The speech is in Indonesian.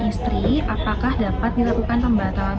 istri apakah dapat dilakukan pembatalan